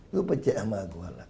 lu percaya sama gue lah